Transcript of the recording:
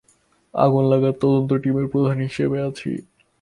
আগুন লাগার তদন্ত টিমের প্রধান হিসেবে আছি।